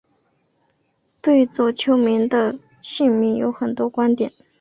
对左丘明的姓名有很多观点。